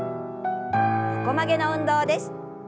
横曲げの運動です。